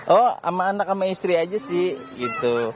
oh sama anak sama istri aja sih gitu